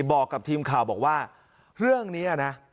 บอกกับทีมข่าวบอกว่าเรื่องนี้นะ